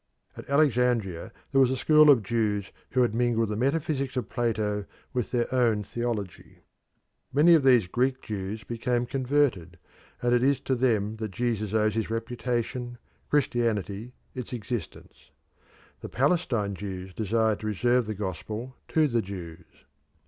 At Alexandria there was a school of Jews who had mingled the metaphysics of Plato with their own theology. Many of these Greek Jews became converted, and it is to them that Jesus owes his reputation, Christianity its existence. The Palestine Jews desired to reserve the Gospel to the Jews.